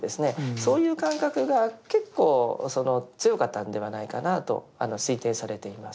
そういう感覚が結構強かったんではないかなと推定されています。